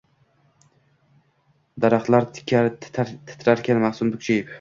Daraxtlar titrarkan mahzun, bukchayib